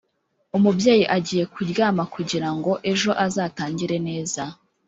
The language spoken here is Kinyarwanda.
Umubyeyi agiye ku ryama kugiramgo ejo azatangire neza